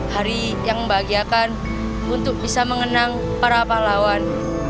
hari yang membahagiakan untuk bisa mengenang para pahlawan